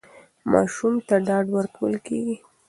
ماشوم ته ډاډ ورکول کېږي.